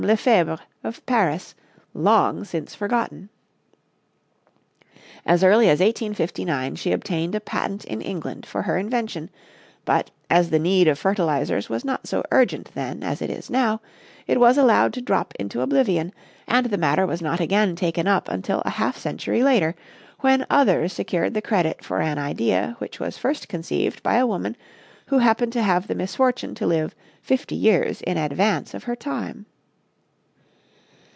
Lefebre, of Paris long since forgotten. As early as 1859 she obtained a patent in England for her invention, but, as the need of fertilizers was not so urgent then as it is now, it was allowed to drop into oblivion, and the matter was not again taken up until a half century later, when others secured the credit for an idea which was first conceived by a woman who happened to have the misfortune to live fifty years in advance of her time.